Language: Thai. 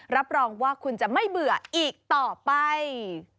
รับรองว่าคุณจะไม่เบื่ออีกต่อไป